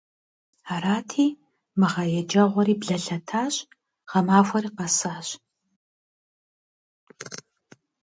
Арати, мы гъэ еджэгъуэри блэлъэтащ, гъэмахуэри къэсащ.